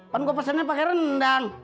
kan gue pesannya pakai rendang